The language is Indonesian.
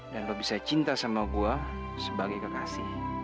dan lo bisa cinta sama gua sebagai kekasih